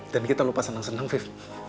dan kita lupa senang senang afif